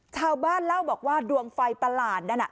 ชาวบ้านเล่าบอกว่าดวงไฟประหลาดนั่นน่ะ